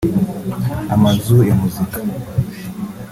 amazu ya muzika